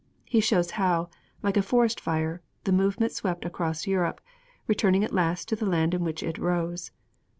He shows how, like a forest fire, the movement swept across Europe, returning at last to the land in which it rose.